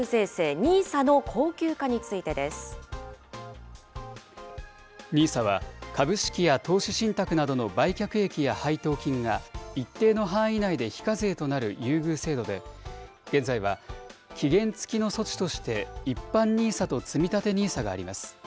ＮＩＳＡは、株式や投資信託などの売却益や配当金が、一定の範囲内で非課税となる優遇制度で、現在は期限付きの措置として、一般ＮＩＳＡとつみたてＮＩＳＡがあります。